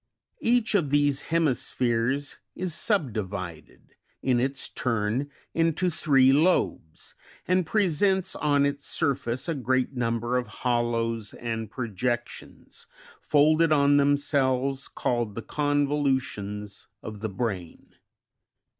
Each of these hemispheres is subdivided, in its turn, into three lobes, and presents on its surface a great number of hollows and projec tions, folded on themselves, called the convolutions of the brain.